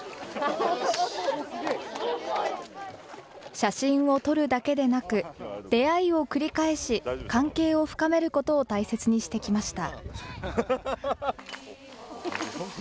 写真を撮るだけでなく、出会いを繰り返し、関係を深めることを大切にしてきました。